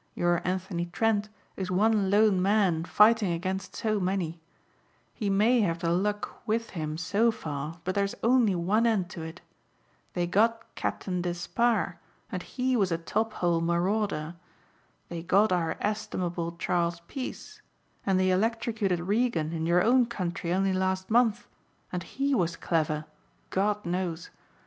Your Anthony Trent is one lone man fighting against so many. He may have the luck with him so far but there's only one end to it. They got Captain Despard and he was a top hole marauder. They got our estimable Charles Peace and they electrocuted Regan in your own country only last month and he was clever, God knows.